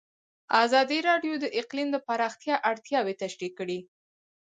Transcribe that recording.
ازادي راډیو د اقلیم د پراختیا اړتیاوې تشریح کړي.